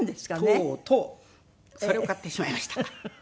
とうとうそれを買ってしまいました。